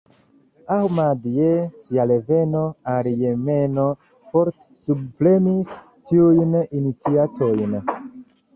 Ahmad je sia reveno al Jemeno forte subpremis tiujn iniciatojn.